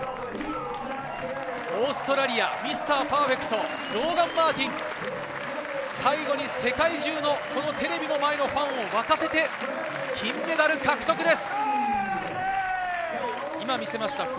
オーストラリアのミスターパーフェクト、ローガン・マーティン、最後に世界中のテレビの前のファンを沸かせて金メダル獲得です。